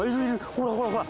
ほらほらほら